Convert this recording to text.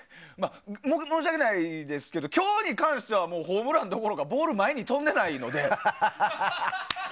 申し訳ないですけど今日に関してはホームランどころかボール、前に飛んでいないので。